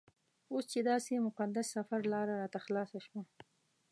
اوس چې داسې مقدس سفر لاره راته خلاصه شوه.